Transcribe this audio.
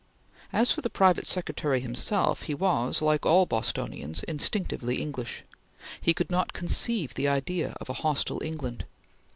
As for the private secretary himself, he was, like all Bostonians, instinctively English. He could not conceive the idea of a hostile England.